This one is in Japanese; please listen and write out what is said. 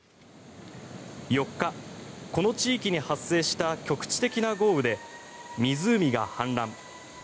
４日、この地域に発生した局地的な豪雨で湖が氾濫。